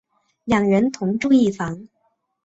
两人同住一房。